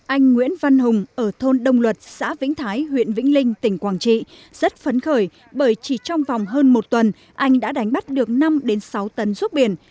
anh nguyễn văn hùng ở thôn đông luật xã vĩnh thái huyện vĩnh linh tỉnh quảng trị rất phấn khởi bởi chỉ trong vòng hơn một tuần anh đã đánh bắt được năm sáu tấn ruốc biển